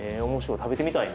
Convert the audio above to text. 食べてみたいな。